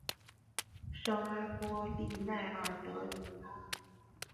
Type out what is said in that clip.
圣阿波利奈尔德里阿。